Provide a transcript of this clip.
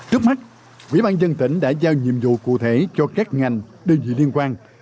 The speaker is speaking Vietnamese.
trước mắt quỹ ban dân tỉnh đã giao nhiệm vụ cụ thể cho các ngành đơn vị liên quan